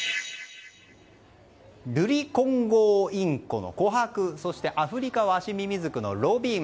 ルリコンゴウインコのコハクそしてアフリカワシミミズクのロビン。